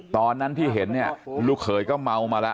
ตอนนั้นที่เห็นเนี่ยลูกเขยก็เมามาแล้ว